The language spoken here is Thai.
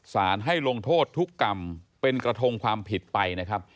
สารให้ลงโทษทุกกรรมเป็นกระทงความผิดไปนะครับ